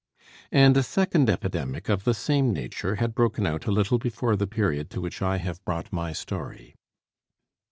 And a second epidemic of the same nature had broken out a little before the period to which I have brought my story.